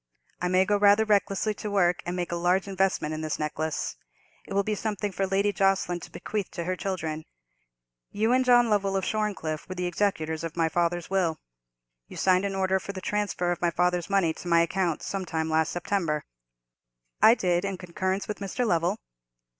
I may go rather recklessly to work and make a large investment in this necklace; it will be something for Lady Jocelyn to bequeath to her children. You and John Lovell, of Shorncliffe, were the executors to my father's will. You signed an order for the transfer of my father's money to my account some time in last September." "I did, in concurrence with Mr. Lovell."